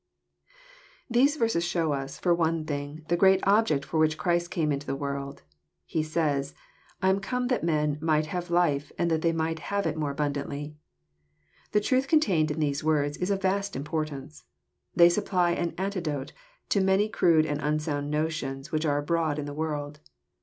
Thesb verses show us, for one thing, the great object for which Christ came into the world. He says, I am come that men '' might have life, and that they might have it more abundantly." The truth contained in these words is of vast importance. They supply an antidote to many crude and unsound no tions which are abroad in the world.